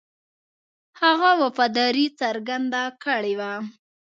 هغه وفاداري څرګنده کړې وه.